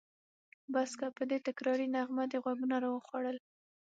بس که! په دې تکراري نغمه دې غوږونه راوخوړل.